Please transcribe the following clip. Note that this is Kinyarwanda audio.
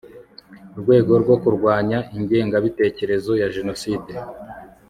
rwego rwo kurwanya ingengabitekerezo ya Jenoside